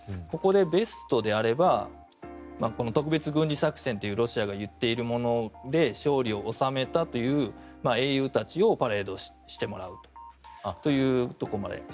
ここでベストであれば特別軍事作戦とロシアが言っているもので勝利を収めたという英雄たちをパレードしてもらうというところまで。